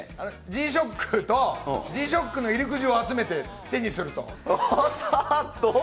Ｇショックと、Ｇショックの入り口を集めて手にすると。